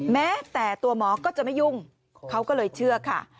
แม้แต่ตัวหมอก็จะไม่ยุ่งเขาก็เลยเชื่อค่ะ